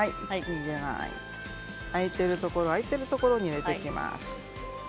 空いているところ空いているところに入れていきます。